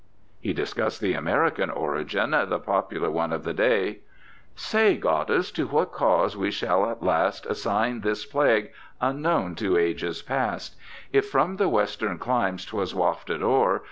He discussed the American origin, the popular one of the day : Say, Goddess, to what cause we shall at last Assign this plague, unknown to ages past ; If from the western climes 'twas wafted o'er.